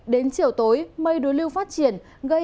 đến chiều tối mây đối lưu phát triển